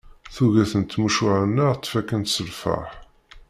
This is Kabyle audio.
Tuget n tmucuha-nneɣ ttfakkant s lferḥ.